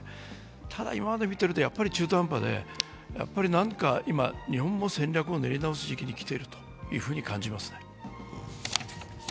ただ、今まで見ているとやはり中途半端で、今、日本も戦略を練り直す時期に来ていると思います。